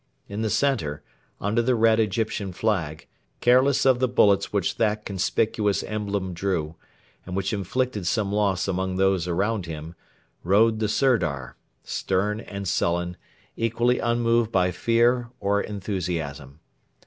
In the centre, under the red Egyptian flag, careless of the bullets which that conspicuous emblem drew, and which inflicted some loss among those around him, rode the Sirdar, stern and sullen, equally unmoved by fear or enthusiasm.